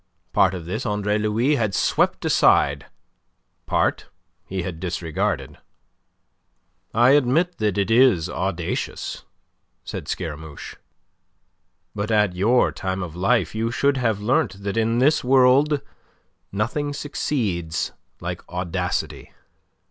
Part of this Andre Louis had swept aside; part he had disregarded. "I admit that it is audacious," said Scaramouche. "But at your time of life you should have learnt that in this world nothing succeeds like audacity."